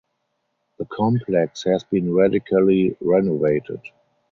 The complex has been radically renovated.